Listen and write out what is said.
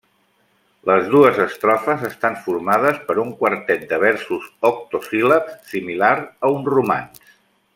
Les dues estrofes estan formades per un quartet de versos octosíl·labs, similar a un romanç.